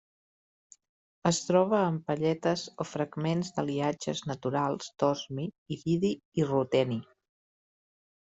Es troba en palletes o fragments d'aliatges naturals d'osmi, iridi i ruteni.